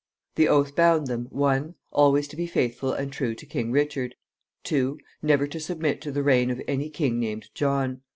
The oath bound them, 1. Always to be faithful and true to King Richard. 2. Never to submit to the reign of any king named John.